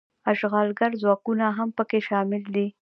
اشغالګر ځواکونه هم پکې شامل دي.